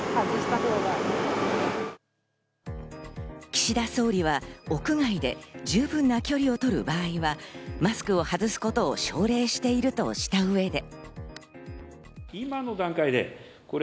岸田総理は屋外で十分な距離を取る場合はマスクを外すことを奨励しているとした上で。